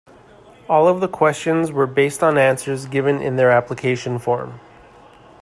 All of the questions were based on answers given in their application form.